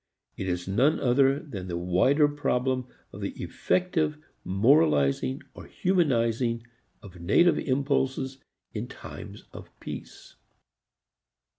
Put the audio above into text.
It is none other than the wider problem of the effective moralizing or humanizing of native impulses in times of peace.